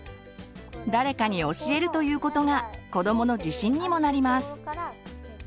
誰かに教えるということが子どもの自信にもなります。